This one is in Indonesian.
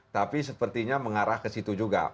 tapi sepertinya mengarah ke situ juga